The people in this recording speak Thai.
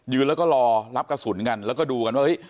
แล้วก็รอรับกระสุนกันแล้วก็ดูกันว่าเฮ้ย